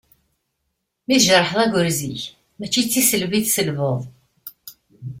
Mi tjerḥeḍ agrez-ik mačči d tisselbi i tselbeḍ.